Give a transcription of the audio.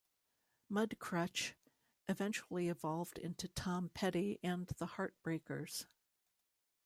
Mudcrutch eventually evolved into Tom Petty and the Heartbreakers.